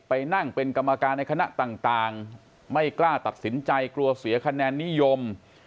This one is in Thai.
ไปนั่งเป็นกรรมการในคณะต่างไม่กล้าตัดสินใจกลัวเสียคะแนนนิยม